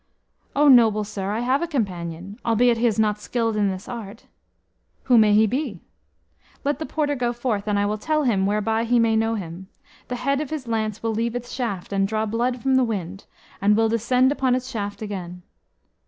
"O noble sir, I have a companion, albeit he is not skilled in this art." "Who may he be?" "Let the porter go forth, and I will tell him whereby he may know him. The head of his lance will leave its shaft, and draw blood from the wind, and will descend upon its shaft again."